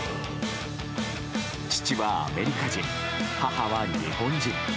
父はアメリカ人母は日本人。